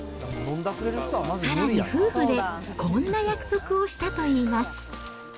さらに夫婦でこんな約束をしたといいます。